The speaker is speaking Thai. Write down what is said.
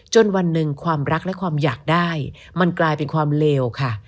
วันหนึ่งความรักและความอยากได้มันกลายเป็นความเลวค่ะ